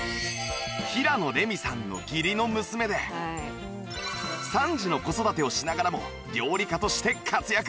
平野レミさんの義理の娘で３児の子育てをしながらも料理家として活躍